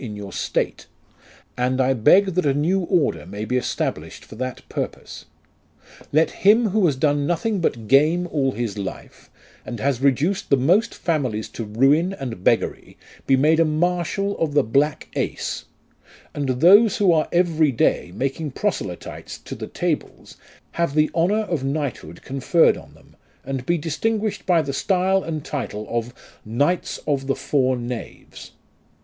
in your state ; and I beg that a new order may be LIFE OF KICHARD NASH. 123 established for that purpose. Let him who has done nothing but game all his life, and has reduced the most families to ruin and beggary, be made a Marshal of the Black Ace ; and those who are every day making proselytes to the tables, have the honour of knighthood conferred on them, and be distinguished by the style and title of Knights of the four Knaves.